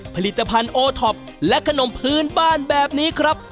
ผลิตภัณฑ์โอท็อปและขนมพื้นบ้านแบบนี้ครับ